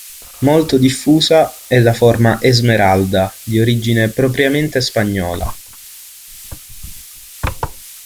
Molto diffusa è la forma "Esmeralda", di origine propriamente spagnola.